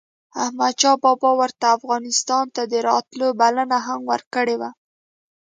احمد شاه بابا ورته افغانستان ته دَراتلو بلنه هم ورکړې وه